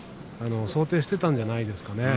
想定していたんじゃないですかね。